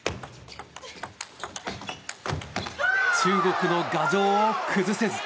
中国の牙城を崩せず。